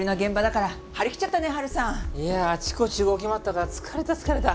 いやああちこち動き回ったから疲れた疲れた。